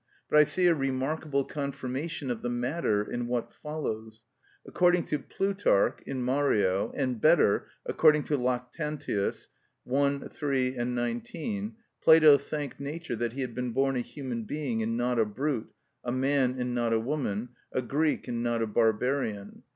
But I see a remarkable confirmation of the matter in what follows. According to Plutarch (in Mario), and, better, according to Lactantius (i. 3, 19), Plato thanked Nature that he had been born a human being and not a brute, a man and not a woman, a Greek and not a barbarian.